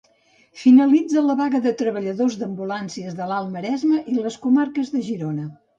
Finalitza la vaga de treballadors d'ambulàncies de l'Alt Maresme i les comarques de Girona.